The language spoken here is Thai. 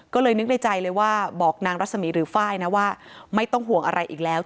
ก็เลยนึกในใจเลยว่าบอกนางรัศมีร์หรือไฟล์นะว่าไม่ต้องห่วงอะไรอีกแล้ว